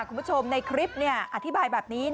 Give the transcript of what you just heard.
คุณผู้ชมในคลิปอธิบายแบบนี้